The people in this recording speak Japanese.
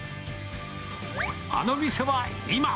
あの店は今！